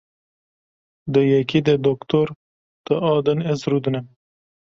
Di yekê de Dr. di a din ez rûdinim.